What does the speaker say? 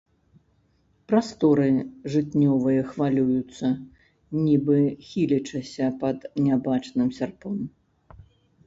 Прасторы жытнёвыя хвалююцца, нібы хілячыся пад нябачным сярпом.